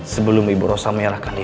sebelum ibu rosa merahkan diri